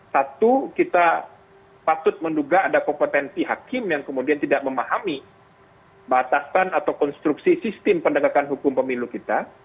satu kita patut menduga ada kompetensi hakim yang kemudian tidak memahami batasan atau konstruksi sistem pendekatan hukum pemilu kita